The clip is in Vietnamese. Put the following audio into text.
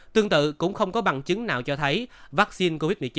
tương tự cũng không có bằng chứng nào cho thấy vaccine covid một mươi chín